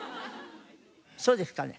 そうですかね？